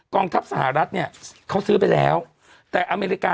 องทัพสหรัฐเนี่ยเขาซื้อไปแล้วแต่อเมริกา